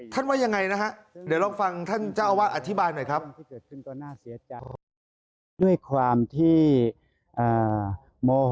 ว่ายังไงนะฮะเดี๋ยวลองฟังท่านเจ้าอาวาสอธิบายหน่อยครับ